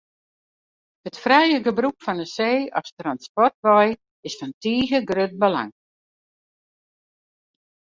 It frije gebrûk fan de see as transportwei is fan tige grut belang.